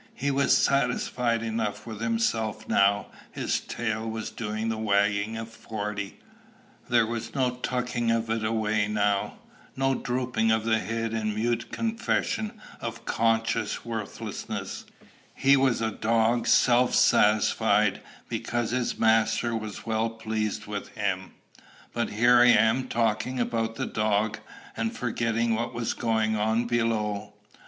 He was satisfied enough with himself now; his tail was doing the wagging of forty; there was no tucking of it away now, no drooping of the head in mute confession of conscious worthlessness; he was a dog self satisfied because his master was well pleased with him. But here I am talking about the dog, and forgetting what was going on below.